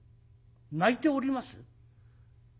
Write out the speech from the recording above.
泣いております？